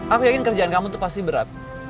aku yakin kerjaan kamu tuh pasti berat